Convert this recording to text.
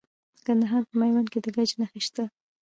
د کندهار په میوند کې د ګچ نښې شته.